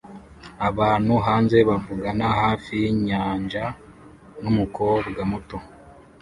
Abantu hanze bavugana hafi yinyanja numukobwa muto